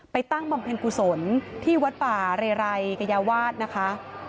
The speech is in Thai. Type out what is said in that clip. ตั้งบำเพ็ญกุศลที่วัดป่าเรไรกยาวาสนะคะ